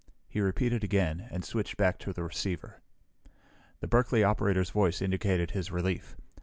He repeated again and switched back to the receiver. The Berkeley operator's voice indicated his relief.